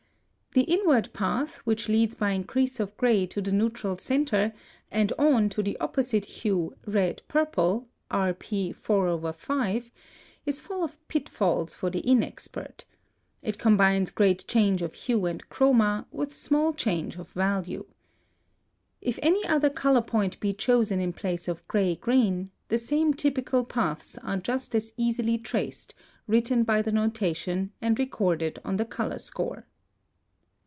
The inward path which leads by increase of gray to the neutral centre, and on to the opposite hue red purple, RP 4/5, is full of pitfalls for the inexpert. It combines great change of hue and chroma, with small change of value. (162) If any other color point be chosen in place of gray green, the same typical paths are just as easily traced, written by the notation, and recorded on the color score.